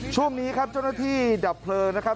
ช่วงนี้ครับเจ้าหน้าที่ดับเพลิงนะครับ